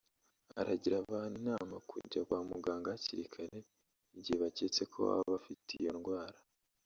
Aragira abantu inama kujya kwa muganga hakiri kare igihe baketse ko baba bafite iyo ndwara